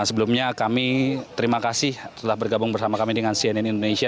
sebelumnya kami terima kasih telah bergabung bersama kami dengan cnn indonesia